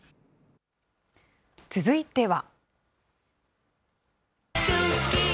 続いては。